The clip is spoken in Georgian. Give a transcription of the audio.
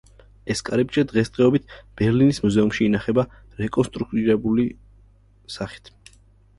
ეს კარიბჭე დღესდღეობით ბერლინის მუზეუმში ინახება, რეკონსტრუირებული სახით.